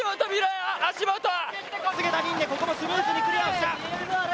菅田琳寧、ここもスムーズにクリアをした。